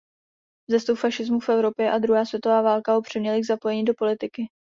Vzestup fašismu v Evropě a druhá světová válka ho přiměly k zapojení do politiky.